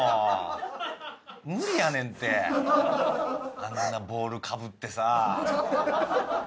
あんなボウルかぶってさ。